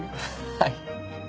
はい。